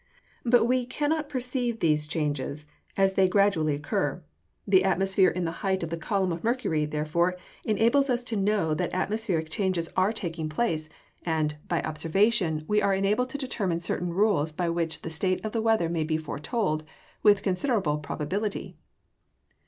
But we cannot perceive those changes as they gradually occur; the alteration in the height of the column of mercury, therefore, enables us to know that atmospheric changes are taking place, and, by observation, we are enabled to determine certain rules by which the state of the weather may be foretold with considerable probability.